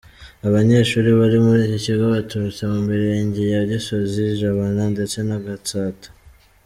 Abanyeshuri bari muri iki kigo baturutse mu mirenge ya Gisozi, Jabana ndetse na Gatsata.